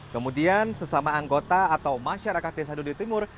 kemudian sesama anggota atau masyarakat desa dudatimur